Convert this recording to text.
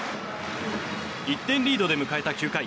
１点リードで迎えた９回。